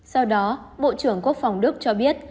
sau đó bộ trưởng quốc phòng đức cho biết